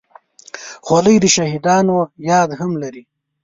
خولۍ د شهیدانو یاد هم لري.